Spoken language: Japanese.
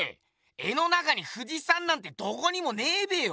絵の中に富士山なんてどこにもねぇべよ！